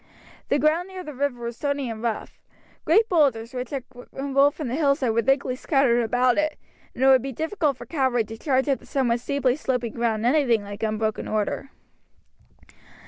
The ground near the river was stony and rough. Great boulders, which had rolled from the hillside, were thickly scattered about it, and it would be difficult for cavalry to charge up the somewhat steeply sloping ground in anything like unbroken order.